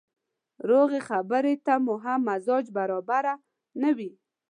روغې خبرې ته مو هم مزاج برابره نه وي.